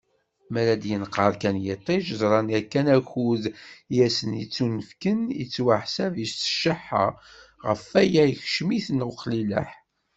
Mi ara d-yenqer kan yiṭij, ẓran yakan akud i asen-yettunefken yettwaḥseb s cceḥḥa, ɣef waya, ikeccem-iten uqlileḥ.